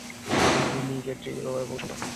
আমি নিজে দৃঢ় এবং শান্ত আছি।